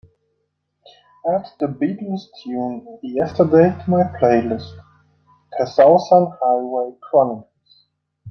Add the Beatles tune Yesterday to my playlist, The Southern Highway Chronicles